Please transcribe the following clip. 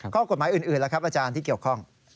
ข้อกฎหมายอื่นแล้วครับอาจารย์ที่เกี่ยวข้อง